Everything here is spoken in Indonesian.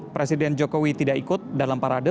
presiden jokowi tidak ikut dalam parade